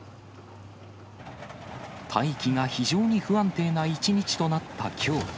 大気が非常に不安定な一日となったきょう。